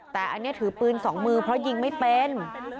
แต่อันนี้ถือปืนสองมือเพราะยิงไม่เป็น